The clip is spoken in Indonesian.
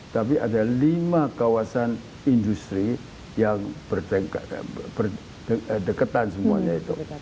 tapi ada lima kawasan industri yang berdekatan semuanya itu